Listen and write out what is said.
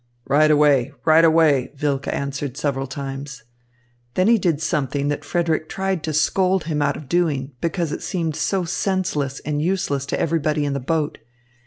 "Right away, right away," Wilke answered several times. Then he did something that Frederick tried to scold him out of doing, because it seemed so senseless and useless to everybody in the boat.